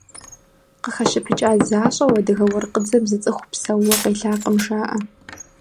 Къыхэщыпыкӏа защӏэу адыгэ уэркъыдзэм зы цӏыху псэууэ къелакъым жаӏэ.